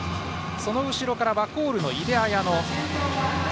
その後ろからワコールの井手彩乃。